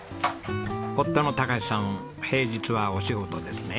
夫の孝さん平日はお仕事ですね。